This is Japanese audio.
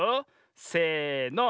せの。